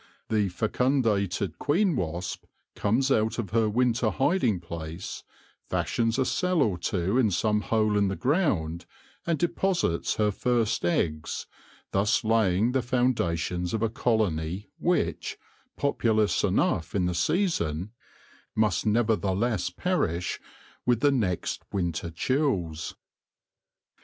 The fecundated queen wasp comes out of her winter hiding place, fashions a cell or two in some hole in the ground, and deposits her first eggs, thus laying the foundation of a colony which, populous enough in the season, must never theless perish with the next winter chills.